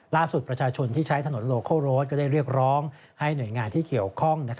ประชาชนที่ใช้ถนนโลโคโรดก็ได้เรียกร้องให้หน่วยงานที่เกี่ยวข้อง